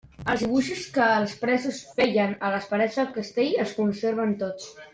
Els dibuixos que els presos feien a les parets del castell es conserven tots.